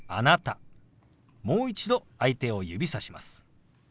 もう一度相手を指さします。